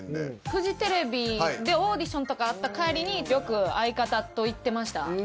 フジテレビでオーディションとかあった帰りによく相方と行ってました。